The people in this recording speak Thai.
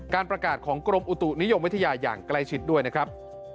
การประกาศของกรมอุตุนิยมวิทยาอย่างใกล้ชิดด้วยนะครับ